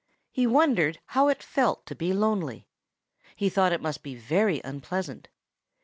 He wondered how it felt to be lonely; he thought it must be very unpleasant.